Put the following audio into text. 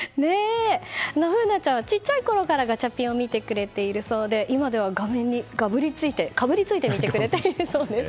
楓奈ちゃんは、小さいころからガチャピンを見てくれているそうで今では画面にかぶりついて見てくれているそうです。